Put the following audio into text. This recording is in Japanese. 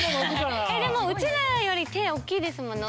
でもうちらより手おっきいですもんね。